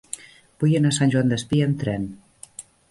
Vull anar a Sant Joan Despí amb tren.